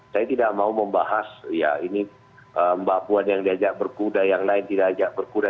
saya tidak mau membahas ya ini mbak puan yang diajak berkuda yang lain tidak ajak berkuda